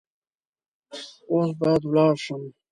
اوس باید ولاړ شم .